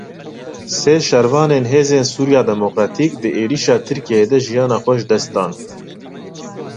Sê şervanên Hêzên Sûriya Demokratîk di êrişa Tirkiyeyê de jiyana xwe ji dest dan.